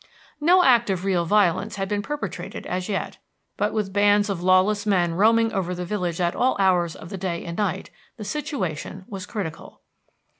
No act of real violence had been perpetrated as yet; but with bands of lawless men roaming over the village at all hours of the day and night, the situation was critical.